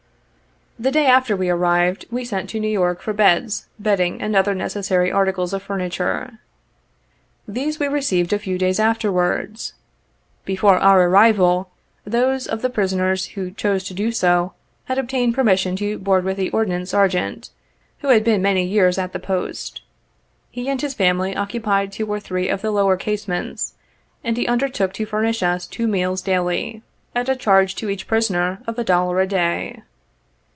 The day after we arrived, we sent to New York for beds, bedding and other necessary articles of furniture. These we received a few days arterwards. Before our arrival, those of the prisoners who chose to do so, had obtained permission to board with the Ordnance Sergeant, who had been many years at the post. He and his family occupied two or three of the lower casemates, and he undertook to furnish us two meals daily at a charge, to each prisoner, of a dollar a day.